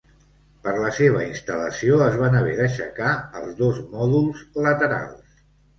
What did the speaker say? Per la seva instal·lació es van haver d'aixecar els dos mòduls laterals.